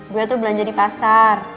gue tuh belanja di pasar